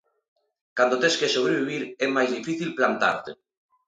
Cando tes que sobrevivir é máis difícil plantarte.